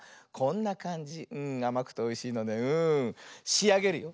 しあげるよ。